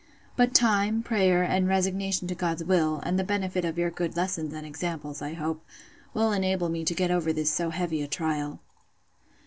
—But time, prayer, and resignation to God's will, and the benefits of your good lessons, and examples, I hope, will enable me to get over this so heavy a trial.